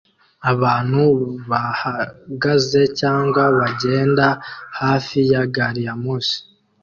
Abantu bahagaze cyangwa bagenda hafi ya gari ya moshi